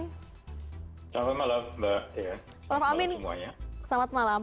selamat malam mbak tia